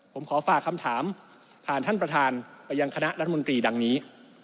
ผมขอฝากคำถามผ่านท่านประธานไปยังคณะรัฐมนตรีดังนี้